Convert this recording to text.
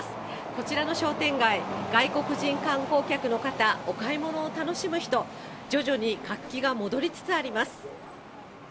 こちらの商店街、外国人観光客の方、お買い物を楽しむ人、徐々に活気が戻りつつあります。